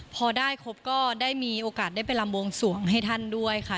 พอได้ครบก็ได้มีโอกาสได้ไปลำวงสวงให้ท่านด้วยค่ะ